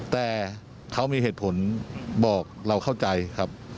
แต่เขามีเหตุผลบอกเราเข้าใจครับ